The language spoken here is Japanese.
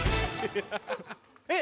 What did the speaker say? えっ！